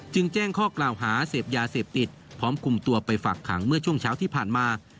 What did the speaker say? แจ้งข้อกล่าวหาเสพยาเสพติดพร้อมคุมตัวไปฝากขังเมื่อช่วงเช้าที่ผ่านมา